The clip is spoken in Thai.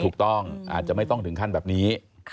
ถูกต้องอาจจะไม่ต้องถึงขั้นแบบนี้